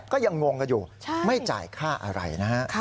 ก็ยังงงกันอยู่ไม่จ่ายค่าอะไรนะฮะ